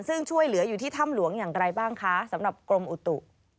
ซึ่งช่วยเหลืออยู่ที่ถ้ำหลวงอย่างไรบ้างคะสำหรับกรมอุตุ